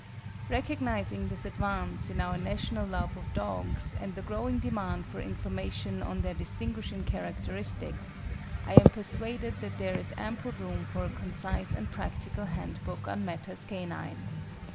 Recognising this advance in our national love of dogs and the growing demand for information on their distinguishing characteristics, I am persuaded that there is ample room for a concise and practical handbook on matters canine.